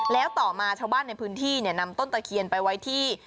แล้วต่อมาชาวบ้านในพื้นที่นำต้นตะเคียนไปไว้ที่